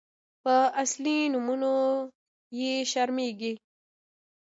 _په اصلي نومونو يې شرمېږي.